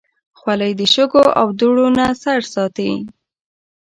خولۍ د شګو او دوړو نه سر ساتي.